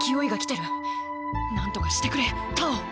なんとかしてくれ太鳳！